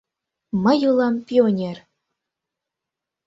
Мый улам пионер.